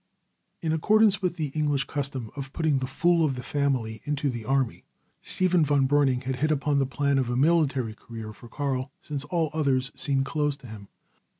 In accordance with the English custom of putting the fool of the family into the army, Stephen von Breuning had hit upon the plan of a military career for Karl since all others seemed closed to him.